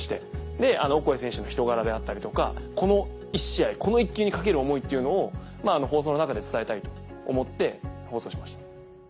でオコエ選手の人柄であったりとかこの一試合この一球にかける思いっていうのを放送の中で伝えたいと思って放送しました。